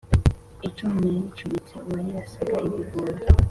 Icumu naricumise uwayirasaga ibigondo